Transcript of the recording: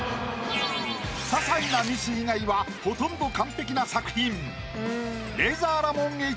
ささいなミス以外はほとんど完璧な作品。